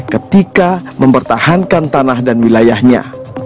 ketika mempertahankan tanah dan wilayahnya